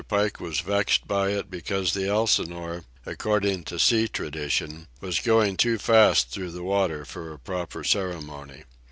Pike was vexed by it because the Elsinore, according to sea tradition, was going too fast through the water for a proper ceremony.